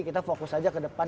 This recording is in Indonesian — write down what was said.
kita fokus saja ke depan